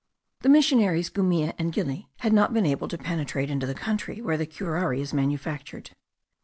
The missionaries Gumilla and Gili had not been able to penetrate into the country where the curare is manufactured.